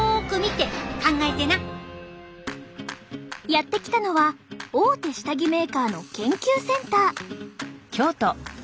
やって来たのは大手下着メーカーの研究センター。